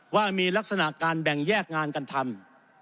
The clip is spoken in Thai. ว่ามีลักษณะการแบ่งแยกงานกันทำ